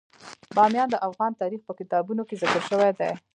بامیان د افغان تاریخ په کتابونو کې ذکر شوی دي.